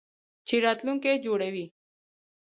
چې راتلونکی جوړوي.